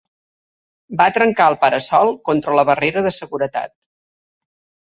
Va trencar el para-sol contra la barrera de seguretat.